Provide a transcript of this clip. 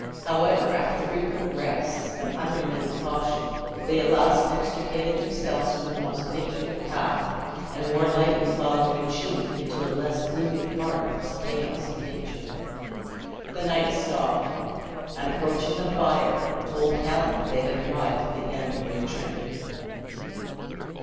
However, after frequent rests, and unremitted caution, they at last extricated themselves from the most intricate path, and more lightly followed their chief into a less gloomy part of this chaos of nature. The knight stopped, and approaching the bier, told Helen they had arrived at the end of their journey.